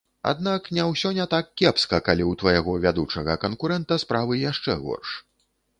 Аднак не ўсё не так кепска, калі ў твайго вядучага канкурэнта справы яшчэ горш.